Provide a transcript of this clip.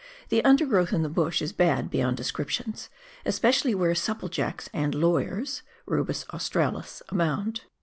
the undergrowth in the bush is bad beyond description, especially where " supplejacks " and " lawj'ers '* (Rubus australis) abound.